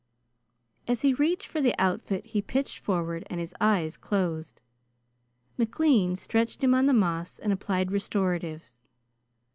As he reached for the outfit he pitched forward and his eyes closed. McLean stretched him on the moss and applied restoratives.